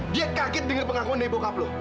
dia kaget denger pengakuan dari bokap lu